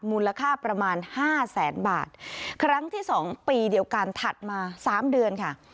มูลค่าประมาณห้าแสนบาทครั้งที่สองปีเดียวกันถัดมาสามเดือนค่ะ